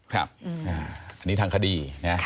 ครับอันนี้ทางคดีนะ